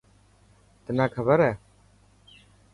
تنان کبر هي؟